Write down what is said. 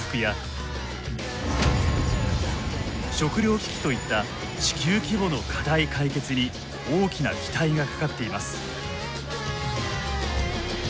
食糧危機といった地球規模の課題解決に大きな期待がかかっています。